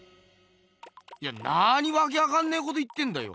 いやなにわけわかんねえこと言ってんだよ。